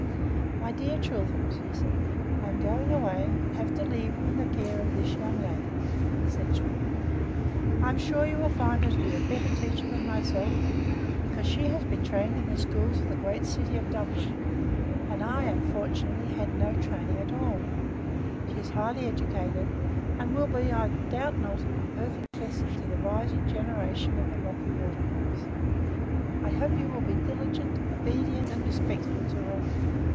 "My dear children," he said, "I am going away, and have to leave you in the care of this young lady, Miss Edgeworth. I am sure you will find her to be a better teacher than myself, because she has been trained in the schools of the great city of Dublin, and I, unfortunately, had no training at all; she is highly educated, and will be, I doubt not, a perfect blessing to the rising generation of the Rocky Waterholes. I hope you will be diligent, obedient, and respectful to her.